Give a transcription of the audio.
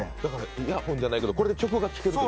イヤホンじゃないけど、これで曲が聴ける？